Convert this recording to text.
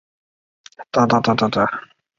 漂砂沉积是地质或矿业学上的专有名词。